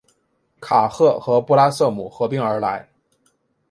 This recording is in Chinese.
卡赫和布拉瑟姆合并而来。